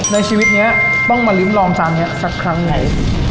ในชีวิตนี้ต้องมาริมลองจานนี้สักครั้งไง